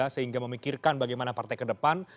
sehingga memikirkan bagaimana partai ke depan